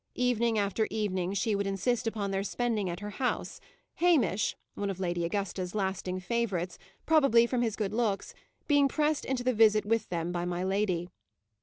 Evening after evening she would insist upon their spending at her house, Hamish one of Lady Augusta's lasting favourites, probably from his good looks being pressed into the visit with them by my lady.